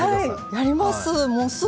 やります！